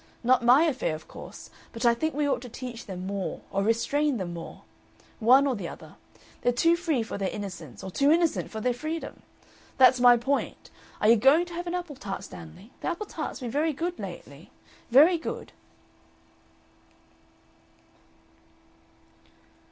Not my affair, of course, but I think we ought to teach them more or restrain them more. One or the other. They're too free for their innocence or too innocent for their freedom. That's my point. Are you going to have any apple tart, Stanley? The apple tart's been very good lately very good!"